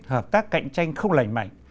hợp tác cạnh tranh không lành mạnh